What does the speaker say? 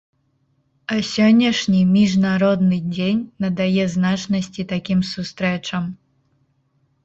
А сённяшні, міжнародны дзень надае значнасці такім сустрэчам.